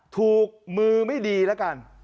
ถูกมือไม่ดีแล้วกัน